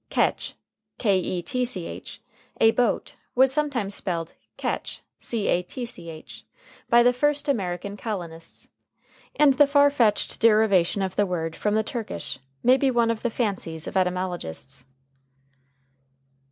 Ketch, a boat, was sometimes spelled catch by the first American colonists, and the far fetched derivation of the word from the Turkish may be one of the fancies of etymologists.